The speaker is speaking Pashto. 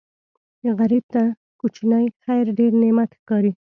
غریب ته کوچنی خیر ډېر نعمت ښکاري